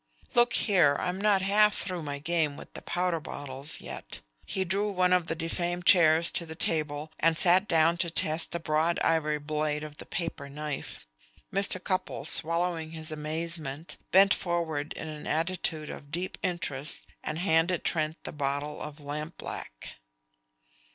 Look here, I'm not half through my game with the powder bottles yet." He drew one of the defamed chairs to the table and sat down to test the broad ivory blade of the paper knife. Mr. Cupples, swallowing his amazement, bent forward in an attitude of deep interest and handed Trent the bottle of lamp black.